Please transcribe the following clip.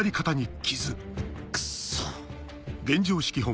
クソ。